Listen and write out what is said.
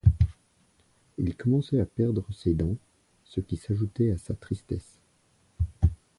Il commençait à perdre ses dents, ce qui s’ajoutait à sa tristesse.